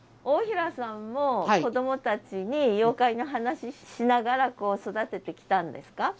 大平さんも子どもたちに妖怪の話しながら育ててきたんですか？